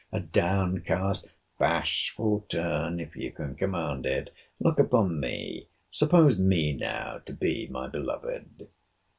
A down cast bashful turn, if you can command it. Look upon me. Suppose me now to be my beloved.